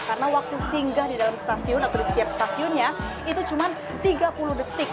karena waktu singgah di dalam stasiun atau di setiap stasiunnya itu cuma tiga puluh detik